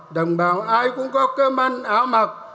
đồng bào ai cũng có cơm ăn áo mặc